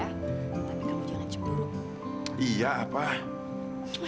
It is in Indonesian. tapi kamu jangan cemburu